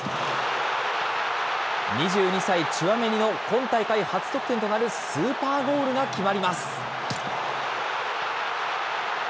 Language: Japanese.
２２歳、チュアメニの今大会初得点となるスーパーゴールが決まります。